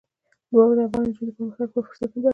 واوره د افغان نجونو د پرمختګ لپاره فرصتونه برابروي.